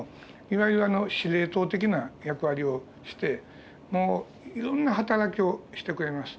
いわゆる司令塔的な役割をしてもういろんなはたらきをしてくれます。